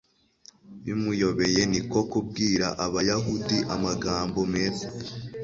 bimuyobeye ni ko kubwira abayahudi amagambo meza